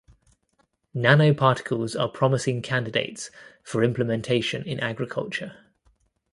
Nanoparticles are promising candidates for implementation in agriculture.